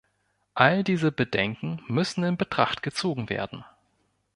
All diese Bedenken müssen in Betracht gezogen werden.